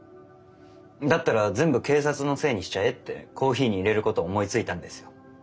だったら全部警察のせいにしちゃえってコーヒーに入れることを思いついたんですよ。